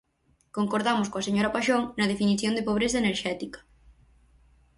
Concordamos coa señora Paxón na definición de pobreza enerxética.